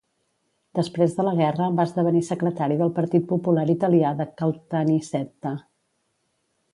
Després de la guerra va esdevenir secretari del Partit Popular Italià de Caltanissetta.